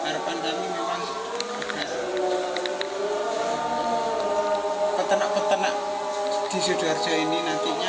harapan kami memang agar peternak peternak di sidoarjo ini nantinya